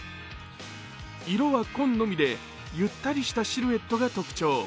色は紺のみでゆったりしたシルエットが特徴。